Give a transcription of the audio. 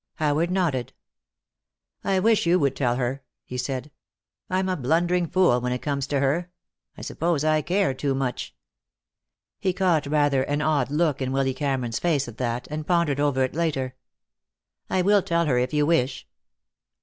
Howard nodded. "I wish you would tell her," he said. "I'm a blundering fool when it comes to her. I suppose I care too much." He caught rather an odd look in Willy Cameron's face at that, and pondered over it later. "I will tell her, if you wish."